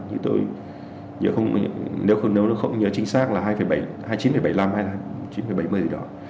như tôi nếu không nhớ chính xác là hai mươi chín bảy mươi năm hay là hai mươi chín bảy mươi gì đó